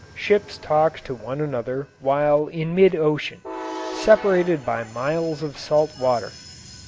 Ships talk to one another while in mid ocean, separated by miles of salt water.